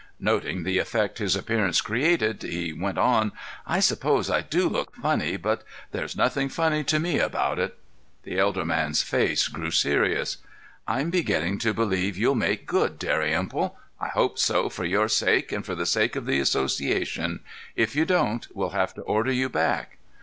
Noting the effect his appearance created, he went on, "I suppose I do look funny, but—there's nothing funny to me about it." The elder man's face grew serious. "I'm beginning to believe you'll make good, Dalrymple. I hope so, for your sake and for the sake of the Association. If you don't, we'll have to order you back."